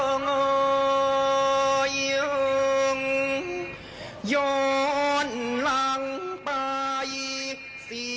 อย่างย้อนหลังไป